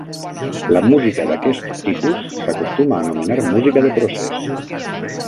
La música d'aquest tipus s'acostuma a anomenar música de procés.